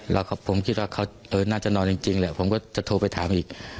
แล้วผมคิดว่าเขาน่าจะนอนจริงแหละผมก็จะโทรไปถามอีก